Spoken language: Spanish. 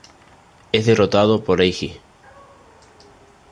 Es derrotado por Eiji.